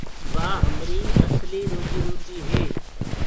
وآ همري اسلي روجيٚ روٽي هي۔